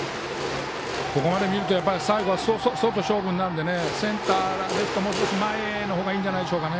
ここまで見ると最後は外勝負になるのでセンターはもう少し前のほうがいいんじゃないでしょうかね。